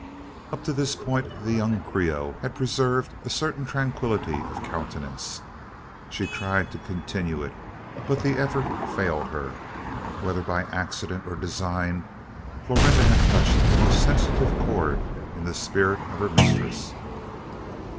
Up to this point the young Creole had preserved a certain tranquillity of countenance. She tried to continue it; but the effort failed her. Whether by accident or design, Florinda had touched the most sensitive chord in the spirit of her mistress.